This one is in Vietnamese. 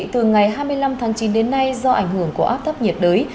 từ ngày hai mươi năm tháng chín đến nay do ảnh hưởng của áp thấp nhiệt đới